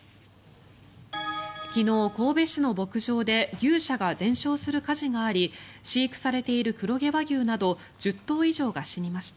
昨日、神戸市の牧場で牛舎が全焼する火事があり飼育されている黒毛和牛など１０頭以上が死にました。